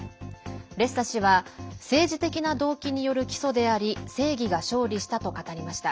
レッサ氏は政治的な動機による起訴であり正義が勝利したと語りました。